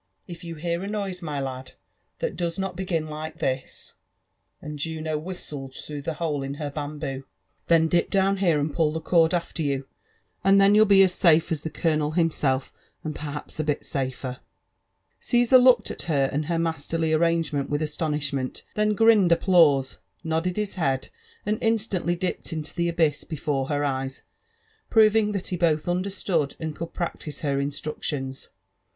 If you hear a noise, my lad, that does not begin like this,"— and Juno whistled through the hole iu her bamboo,"^" then dip down here and JONA.THAN JfiFFERSOM WHITLAW. t7t l^ali the cord tfter you» and thea you'll be as safe as (he eMoiiM him 8el(^ HiQd perhaps a bit safer." Caesar looked at her and her masterly arrangemefit with astonish moot, then grinned applause^ nodded his head, and instantly dippei into the abyss before her eyes, proving that he both understood and could practise her instructions.